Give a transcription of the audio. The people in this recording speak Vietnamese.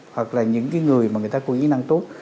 hoặc là những người mà người ta có kỹ năng tốt